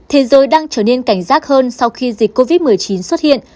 thế giới đang trở nên cảnh giác hơn sau khi dịch covid một mươi chín xuất hiện